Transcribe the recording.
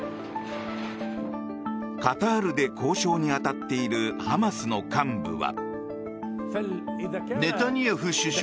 カタールで交渉に当たっているハマスの幹部は。